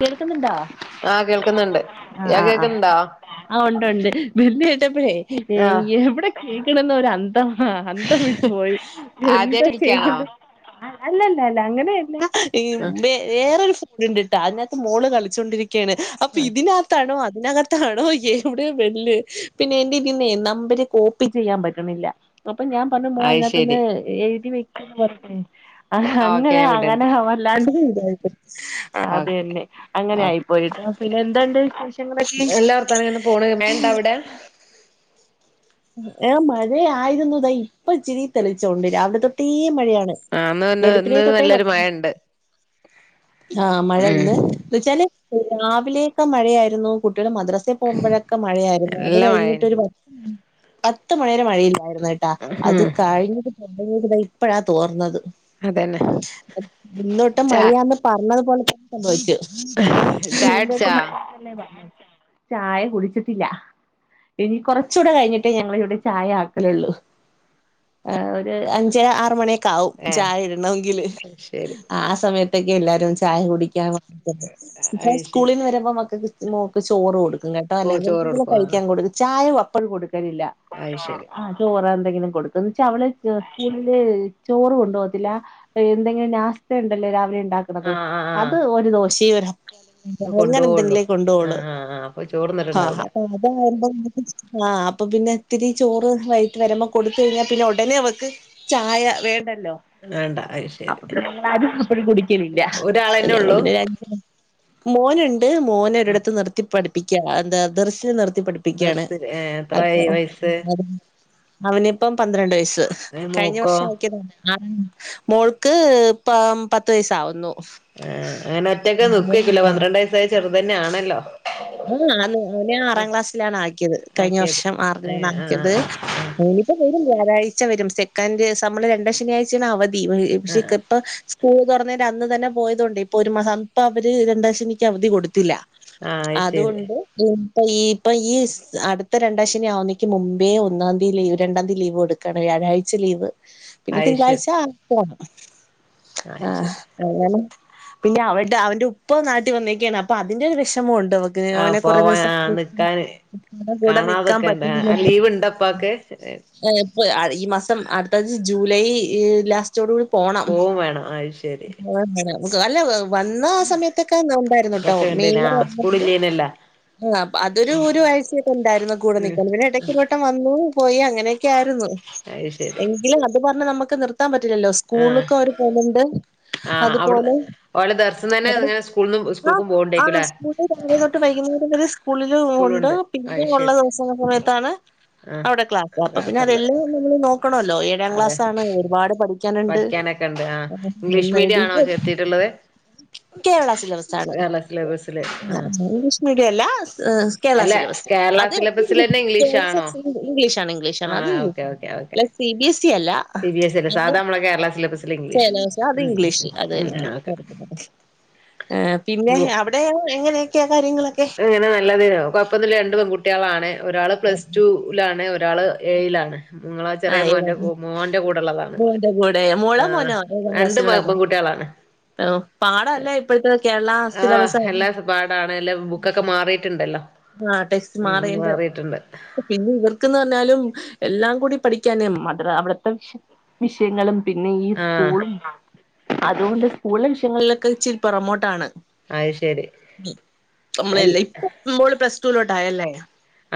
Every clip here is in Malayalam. കേൾക്കുന്നുണ്ടോ ണ്ട് ങ്ങക്ക് കേക്ക് ണ്ടോ ആ ഉണ്ട്ണ്ട് പിന്ന ട്ടപ്പഴേ ആഹ് എവിടെ ന്ന ഒരു അന്തം അന്തം വിട്ടുപോയി എന്താ ആദ്യായിട്ട് വിളിക്കാണോ ചെയ്ത് അല്ലല്ല അല്ല അങ്ങനെയല്ല ഈ ആഹ് വ വേറൊരു ഫോണ് ണ്ട്ിട്ടാ അതിനകത്ത് മോള് കളിച്ചോണ്ടിരിക്ക ക്കെയാണ് അപ്പൊ ആഹ് ഇതിനക തണ അതിനകത്താണോ എവിടെയ വെല്ല് പിന്നെ എററെന്നെ നമ്പര് കോപ്പി ചെയ്യാൻ പറ്റണില്ല അപ്പൊ ഞാൻ പറഞ്ഞുമ്പോഴ അത് ശരി അതിനകത്തൊന്ന് എഴുതി വെക്ക പറേ ആ ഓക്കെ അങ്ങനെ ഞാൻ വിടണ്ട് അങ്ങനെ വല്ലാണ്ട് ഓക്കെ അതതന്നെ അങ്ങനെ ഓക്കെ ആയി പോയിട്ടോ പിന്നെ എന്തണ്ട് വിശേഷങ്ങളൊക്കെ എവിടെ ഹ മഴയ ആയിരുന്നുതാ ഇപ്പ ഇച്ചിരി തെളിച്ചോണ്ട് രാവിലെ തൊട്ടേ മഴയാണ് ആഹ് ഇന്ന് ഇന്ന് ഇന്ന് വെളുപ്പിനെ നല്ലൊരു തൊട്ടേടങ്ങ മഴണ്ട് ആഹ ഉം മഴന്ന് വച്ചാല് രാവിലെയൊക്കെ മഴയായിരുന്നു കുട്ട മദ്രസൽ പോകുമ്പോഴൊക്കെ മഴയായിരുന്നു അത് നല്ല കഴിഞ്ഞിട്ട് മഴേന് ഒരുത്ത് പത്ത് മണിവ വരെ മഴയില്ലായിരുന്നു കേട്ടാ ഉം അത് കഴിഞ്ഞത് തഴത ഇപ്പോഴാ തോർന്നത് അതന്നെ പിന്നോട്ട് ചാ മഴയാന്ന് പറഞ്ഞതുപലെ തന്നെ സംഭവിച്ചു ചായ കുടിച്ചാ [unintelligible] ചായ കുടിച്ചിട്ടില്ല ഇനി കുറച്ചുകൂടെ കഴിഞ്ഞിട്ട് ഞങ്ങൾ ഇവിടെ ചായ ആക്കലുള്ളൂ അഞ്ച് ആറ മണ കാവും ഏഹ് ചായ ഇടണമെങ്കില് അത് ശരി ആ സമയത്തൊക്കെ എല്ലാരും ചായ കുടിക്കാൻ അതെ അത് ശരി സ്കൂളിൽന്ന് വരുമ്പോക്കക്ക് ചോറ് കൊടുക്കും ക്കട്ട ഓ ചോറ് അല്ലെങ്കിൽ കൊടുക്കും ആഹ് കഴിക്കാൻ കൊടു ചായ അപ്പഴും കൊടുക്കലില്ല അത് ശരി ചോറ എന്ത കൊ വെച്ച അവ സ്കൂളില് ചോറ് കൊണ്ടുപോകത്തില്ല എന്തെങ്കിലും നാസ്ത്ത ഉണ്ടല്ലോ രാവിലെ ഉ ഉണ്ടാക്കുന്നത് ആഹ് ആഹ് അത് ആഹ് ഒരു ദോശേ വരാ അങ്ങനെ കൊണ്ടോവൊള്ളൂ എന്തെങ്കിലേ കൊണ്ട പോവോള്ളൂ ആഹ് ആഹ് ആഹ് അപ്പൊ ചോറ് ആ അ തിന്നിട്ടുണ്ടാവൂല അത ആ അപ്പൊ പിന്നെ ഇത്തിരി ചോറ് വൈകിട്ട് വരുമ്പോ കൊടുത്ത കഴിഞ്ഞാൽ പിന്നെ ഉടനെ അവക്ക് ചായ വേണ്ട ല്ലോ വേണ്ട അത് ശരി അപ്പൊ പിന്നെ ഴ കുടിക്കില്ല ഒരാളെന്നെ ഞ ഉള്ളൂ പിന്നെ മോൻ മോന ഒരിടുത്ത് നിർത്തി പഠിപ്പിക്കുക എന്താ ദർസ് നിർത്തി പഠിപ്പിക്കുകയാണ് ദർസില് ഏ അ എത്രായി ആ വയസ്സ് അ അവനിപ്പം പന്ത്രണ്ട് വയസ് കഴിഞ്ഞ മോക്കോ വർഷം ആ ആയക്കതാണ് ആ മോൾക്ക് പ പത്ത് വയസ ആവുന്നു ആ അങ്ങനെ ഒറ്റക്കെ നിക്കേക്കും ലെ പന്ത്രണ്ട് വയസ്സായ ചെറുത്തന്നെ ആണല്ലോ ആ അ അന ആ ആറാം ക്ലാസ്സിലാണ് ആക്കിയത് കഴിഞ്ഞ ആക്കിയത് വർഷം ആ ആറിലാണ് ആ ആക്കിയത് ആ അവനിപ്പ വര വ്യാഴം ച്ച വരും സെക്കൻഡ് നമ്മള് രണ്ട ശനിയാഴ്ചയാണ് അവധി ആ പക്ഷെ ഇപ്പ പൂ തുറന്നേര് അന്ന് തന്നെ പോയതുകണ്ട് ഇപ്പൊ ഒരു മാസം അപ്പൊ അവര് രണ്ടാഴ്ച എനിക്ക് അവധി കൊടുത്തില്ല ആ അയ്ശരി അതുകൊണ്ട് ഇപ്പൊ ഈ ഇപ്പൊ ഈ അടുത്ത രണ്ടാ ശന ആവുന്നെക്ക് മുമേ ഒന്നാം തീതിതി രണ്ടാം തീയതി ലീവ് കൊടുക്കണ വ്യാഴാഴ്ച ലീവ് പിന്നെ അയ്ശരി തിങ്കളാഴ്ച ആണം ആഹ അയ്ശരി അങ്ങനെ പിന്നെ അവടെ അവന്റെ ഉപ്പ നാട്ടി വന്നേക്കയാണ് അപ്പൊ അതിന്റെ ഒരു വിഷമുണ്ട് [unintelligible] ആ അവനെ കൊറെേ പോവാൻ ദിവസം ആ നിക്കാന് ഇപ്പം കൂടെ നിക്കാൻ കാണാതൊക്കെണ്ട് പറ്റുന്നില്ല ആ ലീവ് ഇണ്ടപ്പാക്ക് [unintelligible] ഈ മാസം അടുത്ത ജൂലൈ ഈ ലാസ് റ്റോട കൂടി പോണം പോവും വേണം അയ്ശരി [unintelligible] ‌ അല്ല വന്ന ആ സമയത്തൊക്കെ നോമ്പായിരുന്നുട്ടോ മെയ് പുളില്ലിയനല്ല ആഹ് പ്പ അതൊരു ഒരു ആഴ്ചയൊക്കെ ഉണ്ടായിരുന്നു കൂടെ ഉം നിക്കാൻ പിന്നെ ഇടയ്ക്ക്‌ ഒരു വട്ടം വന്നു പോയി അങ്ങനെയൊക്കെ ആര് രുന്നു അത് ശരി സത്യം പറഞ്ഞ നമക്ക് നിർ ത്താൻ പറ്റില്ലല്ലോ സ്കൂളൊക്കെ അവര് പോലുണ്ട് ആഹ് അവ്ട് അതുപോലെ അവര് ഇസ്കൂൾക്കും പോകണ്ടെരിക്കും ല്ലേ സ്കൂളില് രാവിലെ തൊട്ട് വൈകുന്നേരം വരെ സ്കൂളില് ഉണ്ട് സ്കൂളുണ്ട് പിന്നെ ഉള്ള അയ്ശരി ദിവസങ്ങളിലെ സമയത്താണ് ആഹ് അവിടെ ക്ലാസ് മൊത്തം പിന്നെ ക്ലാസ്ള്ള അതെല്ലാം നമ്മള് നോക്കണല്ലോ ഏഴാം അതെ ക്ലാസ് ആണ് ഒരുപാട് പഠി ക്കാന്ണ്ട് പഠിക്കാനൊക്കെ ഉണ്ട് ആഹ് ഇംഗ്ലീഷ് മീഡിയം ആണോ [unintelligible] ചേർത്തിട്ടുള്ളത് കേരളാ സിലബസ് ആണ് കേരള സിലബസില് ആഹ് ഇംഗ്ലീഷ് മീഡിയം അല്ല കേരള അല്ല സിലബസ് കേരള അത് സിലബസിലെന്നെ ഇംഗ്ലീഷാണോ [unintelligible] ഇംഗ്ലീഷാണ് ഇംഗ്ലീഷാണ് അത് ആഹ് ഓക്കെ ഇംഗ്ലീഷ് ഓക്കെ ഓക്കെ അല്ലാതെ സി ബി എസ് ഇ അല്ല സി ബി എസ് ഇ അല്ല അത് സാധാ നമ്മളെ കേരള സിലബസില് ഇംഗ്ലീഷ് ചേലസം അത് ഉം ഇംഗ്ലീഷ് അത് ഉം ഉം തന്നെയാണ് ഓക്കെ പഠിക്കുന്നത് ആഹ് പിന്നെ അവിടെ ഏഹ് എങ്ങനെക്കെയ അങ്ങനെ നല്ലത് കൊഴപ്പൊന്നില്ല രണ്ട് പെൺകുട്ടികളാണ് ഒരാള് പ്ലസ് ടു ലാണ് ഒരാള് ഏയിലാണ് നിങ്ങള ചെറിയ ആഹ് ഏതാ മോന്റെ മോന്റെ കൂടെ ള്ളതാനിവള് മോന്റെ കൂടെ മോളോ ആഹ് മോനോ ഏതാം രണ്ട് പെ ക്ലാസ്സിലുള്ളത് പെങ്കുട്ടികളാണ് ഓഹ് പാടല്ലേ ഇപ്പോഴത്തെ കേരള ആഹ് സിലബസ് എല്ലാ പാടാണ് എല്ലാം ബു ക്കൊക്കെ മാറിട്ടുണ്ടല്ലോ ആഹ് ടെസ്റ്റ് മാറീണ്ട് പിന്നെ ഇവർക്ക്ന്ന് പറഞ്ഞാലും എല്ലാം കൂടി പഠിക്കാനേ മദർ അവിടത്തെ വിഷ് വിഷയങ്ങളും പിന്നെ ഈ ആഹ് സ്കൂളും [unintelligible] അതുകൊണ്ട് സ്കൂളിലെ വിഷയങ്ങളിലൊക്കെ ഇച്ചിരി പെറമോട്ടാണ് അത് ശരി നമ്മളല്ലേ ഇപ്പൊ മ്മോള് പ്ലസ് ടു ലോട്ടായല്ലേ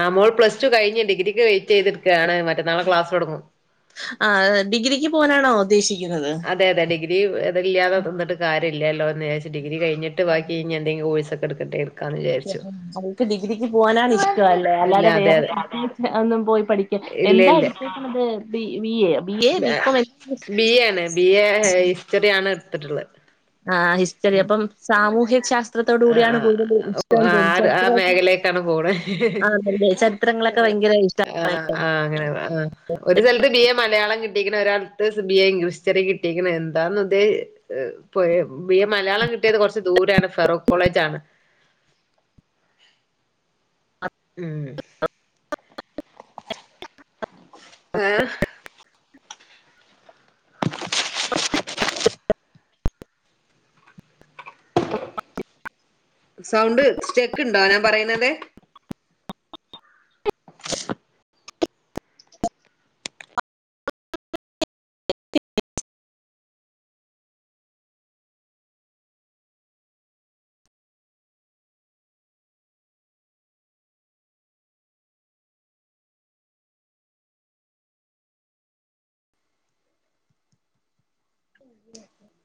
ആഹ് മോൾ പ്ലസ് ടു കഴിഞ്ഞു ഡിഗ്രിക്ക് വെയിറ്റ് എയ്തു നിക്കാണ് മറ്റേനാള് ക്ലാസ് തൊടങ്ങും ആഹ് ഡിഗ്രിക്ക് പോകാനാണോ ഉദ്ദേശിക്കുന്നത് അതെ അതെ ഡിഗ്രി അത് ഇല്യാതെ നിന്നിട്ട് കാര്യല്ലല്ലോ അന്ന് വിചാരിച്ച് ഡിഗ്രി കിഞ്ഞിട്ട് വാക്കിഞ്ഞി എന്തങ്കിലും കൊഴ്സക്ക എടുക്കട്ടേന്ന് അവൾക്ക് ഡിഗ്രിക്ക് പോകാനാണ് ഇഷ്ടവല്ലേ ഇല്ല അല്ലാതെ അതെ വേറെ അതെ [unintelligible] ഒന്നും പോയി പഠിക്ക ഇല്ല എന്താ ഇല്ല അടിച്ചേക്കണത് ബി ബി എ യ ബി എ ബികോം [unintelligible] യെ ഹിസ്റ്ററിയാണ് എടുത്തിട്ടുള്ളത് ആഹ് ഹിസ്റ്ററി ഉം അപ്പം സാമൂഹ്യ ശാസ് ത്രത്തോട് ആ കൂടിയാണ് കൂടുതൽ ഇഷ്ടം ആ തോന്നു ആ ചരിത്രണ് മേഖലക്കാണ് ആന്നെല്ലേ ചരിത്രങ്ങളൊക്കെ വായ് ആഹ് ആഹ് അങ്ങനെ ആഹ് ഒരു സ്ഥലത്ത് ബി എ മലയാളം കി ട്ടിക്കണ് ഒരാള്ണ്ട് ബി എ ഇംഗ്ലീ ഹിസ്റ്ററി കിട്ടിയെക്കണ് എന്താന്ന് ദേ എഹ് പോയ്‌ ബി എ മലയാളം കിട്ടി ട്ടിയത് കൊറച്ച് ദൂരാണ് ഫറോഖ് കോളേജ് ആണ് ഉം ഏഹ് [unintelligible] സൗണ്ട് സ്റ്റെക്ക് ഉണ്ടോ ഞാൻ പറയുന്നതെ [unintelligible]